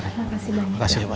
terima kasih pak